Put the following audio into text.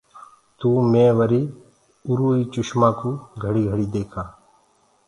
تو مينٚ وري وري اُرو آئي چسمآ ڪوُ گھڙيٚ گھڙيٚ ديکون۔